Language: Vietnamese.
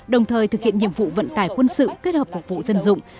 đồng thời thực hiện nhiệm vụ vận tải quân sự kết hợp phục vụ dân dụng